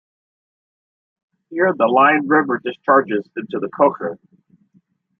Here the Lein river discharges into the Kocher.